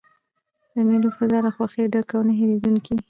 د مېلو فضا له خوښۍ ډکه او نه هېردونکې يي.